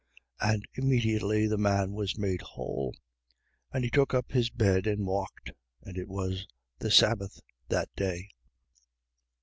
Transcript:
5:9. And immediately the man was made whole: and he took up his bed and walked. And it was the sabbath that day.